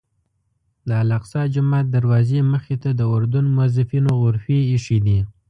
د الاقصی جومات دروازې مخې ته د اردن موظفینو غرفې ایښي دي.